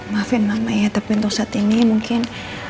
maafin namanya ya tapi untuk saat ini mungkin